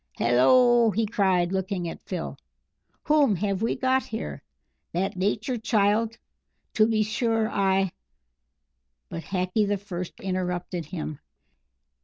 "Hallo," he cried, looking at Phil, "whom have we got here? That Nature child? To be sure. I " But Hackee the First interrupted him.